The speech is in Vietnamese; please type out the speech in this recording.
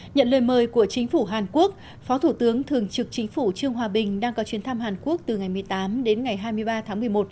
nhận lời mời của chính phủ hàn quốc phó thủ tướng thường trực chính phủ trương hòa bình đang có chuyến thăm hàn quốc từ ngày một mươi tám đến ngày hai mươi ba tháng một mươi một